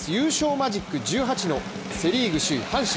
マジック１８のセ・リーグ首位阪神。